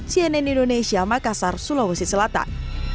cnn indonesia makassar sulawesi selatan